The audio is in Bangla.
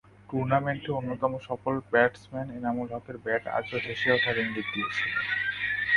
টুর্নামেন্টে অন্যতম সফল ব্যাটসম্যান এনামুল হকের ব্যাট আজও হেসে ওঠার ইঙ্গিত দিয়েছিল।